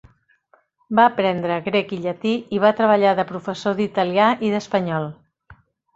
Va aprendre grec i llatí i va treballar de professor d'italià i d'espanyol.